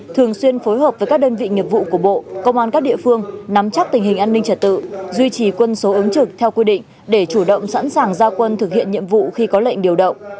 thường xuyên phối hợp với các đơn vị nghiệp vụ của bộ công an các địa phương nắm chắc tình hình an ninh trật tự duy trì quân số ứng trực theo quy định để chủ động sẵn sàng giao quân thực hiện nhiệm vụ khi có lệnh điều động